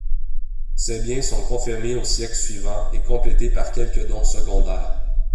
Ces biens sont confirmés aux siècles suivants, et complétés par quelques dons secondaires.